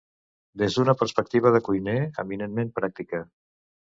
des d'una perspectiva de cuiner, eminentment pràctica